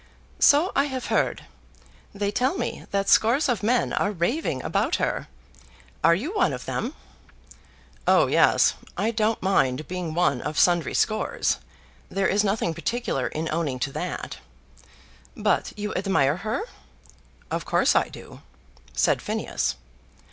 "So I have heard. They tell me that scores of men are raving about her. Are you one of them?" "Oh yes; I don't mind being one of sundry scores. There is nothing particular in owning to that." "But you admire her?" "Of course I do," said Phineas.